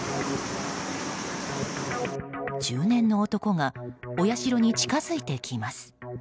中年の男がお社に近づいてきます。